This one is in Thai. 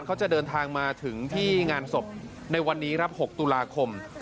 กลางมาถึงที่งานศพในวันนี้ครับ๖ตุลาคม